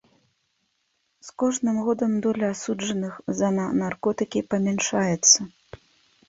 З кожным годам доля асуджаных за на наркотыкі памяншаецца.